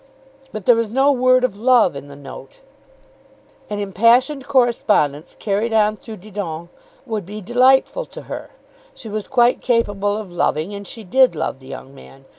But there was no word of love in the note. An impassioned correspondence carried on through Didon would be delightful to her. She was quite capable of loving, and she did love the young man.